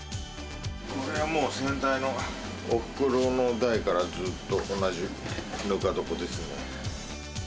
これはもう、先代のおふくろの代からずっと同じぬか床ですね。